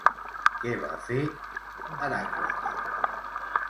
Què va fer Heràcles?